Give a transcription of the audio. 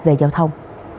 về giao thông